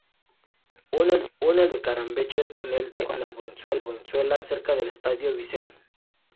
Une el distrito de Carabanchel con el de Arganzuela cerca del estadio Vicente Calderón.